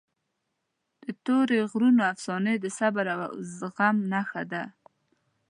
د تورې غرونو افسانه د صبر او زغم نښه ده.